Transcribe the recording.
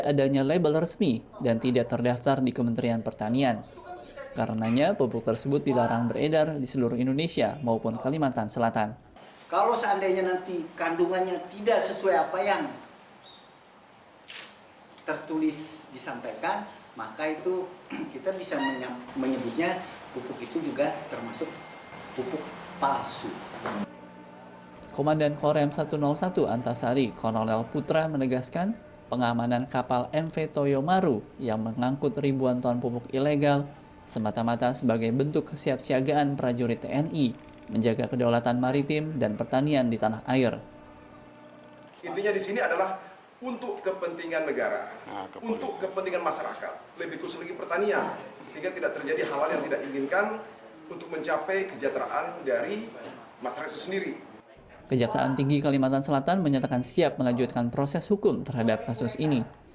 kejaksaan tinggi kalimantan selatan menyatakan siap mengejutkan proses hukum terhadap kasus ini